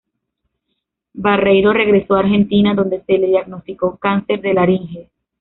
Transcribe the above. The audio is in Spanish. Barreiro regresó a Argentina, donde se le diagnosticó cáncer de laringe.